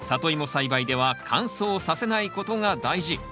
栽培では乾燥させないことが大事。